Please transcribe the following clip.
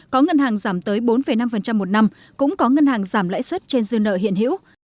có ngân hàng giảm tới bốn năm một năm cũng có ngân hàng giảm lãi suất trên dư nợ hiện hữu